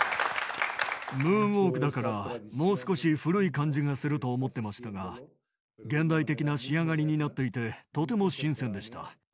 ムーンウォークだから、もう少し古い感じがすると思ってましたが、現代的な仕上がりになっていて、とても新鮮でした。